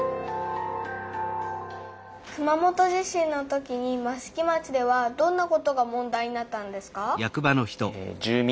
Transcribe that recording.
熊本地震のときに益城町ではどんなことが問題になったんですか？